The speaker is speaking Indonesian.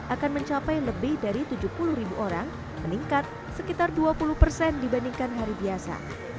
akan mencapai lebih dari tujuh puluh ribu orang meningkat sekitar dua puluh persen dibandingkan hari biasa